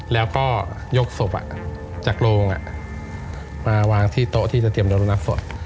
แล้วก็ยกศพจากโรงมาวางที่โต๊ะที่จะเตรียมดรุณศพ